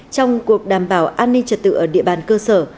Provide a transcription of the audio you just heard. trong cuộc đảm bảo an ninh trật tự ở địa bàn cơ sở